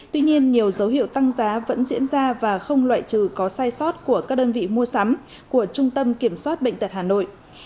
tuy nhiên nhiều dấu hiệu tăng giá vẫn diễn ra và không loại trừ có sai sót của các đơn vị mua sắm của trung tâm kiểm soát bệnh tật hà nội